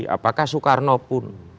apakah soekarno pun